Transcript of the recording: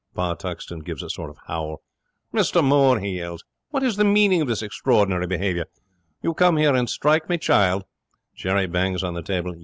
Pa Tuxton gives a sort of howl. '"Mr Moore," he yells, "what is the meaning of this extraordinary behaviour? You come here and strike me child " 'Jerry bangs on the table.